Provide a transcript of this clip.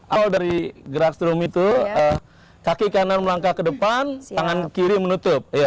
awal dari gerak strum itu kaki kanan melangkah ke depan tangan kiri menutup